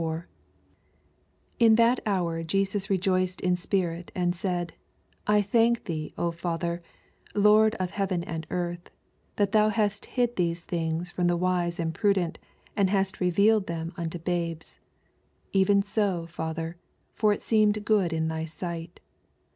21 In that honr Jeans rejoiced in tpirit and said, I thank thee, O Fa ther, Lord of heaven and eartb, that thou hast hid these things from the wise and prudent, and hast revealed them unto babes : even so, Father ; for so it seemed good in thy sight.